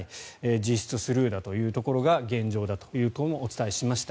実質、スルーだということが現状だということもお伝えしました。